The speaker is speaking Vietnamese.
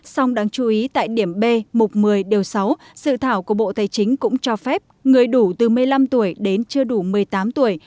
song đáng chú ý tại điểm b mục một mươi điều sáu sự thảo của bộ tài chính cũng cho phép người đủ từ một mươi năm tuổi đến chưa đủ một mươi tám tuổi